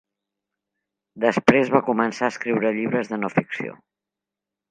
Després, va començar a escriure llibres de no ficció.